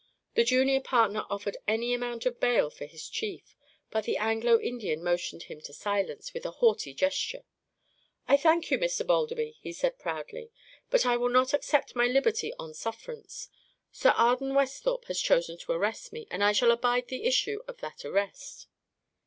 The junior partner offered any amount of bail for his chief; but the Anglo Indian motioned him to silence, with a haughty gesture. "I thank you, Mr. Balderby," he said, proudly; "but I will not accept my liberty on sufferance. Sir Arden Westhorpe has chosen to arrest me, and I shall abide the issue of that arrest."